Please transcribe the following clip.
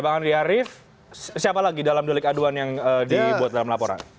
bang andi arief siapa lagi dalam delik aduan yang dibuat dalam laporan